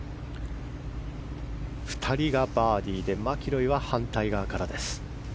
２人がバーディーでマキロイが反対側からです。